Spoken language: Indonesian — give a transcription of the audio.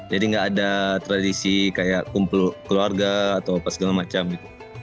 jadi tidak ada tradisi kayak kumpul keluarga atau segala macam gitu